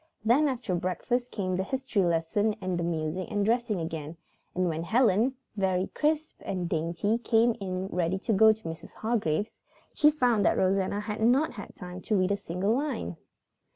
Then after breakfast came the history lesson and the music and dressing again, and when Helen, very crisp and dainty, came in ready to go to Mrs. Hargrave's, she found that Rosanna had not had time to read a single line.